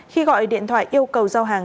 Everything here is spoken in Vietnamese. khi gọi điện thoại yêu cầu giao hàng